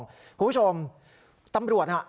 คุณผู้ชมตำรวจน่ะ